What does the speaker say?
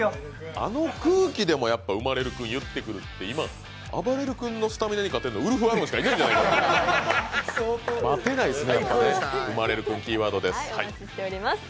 あの空気でも、うまれる君言ってくるって今、あばれる君のスタミナに勝てるの、ウルフ・アロンしかいないんじゃないか。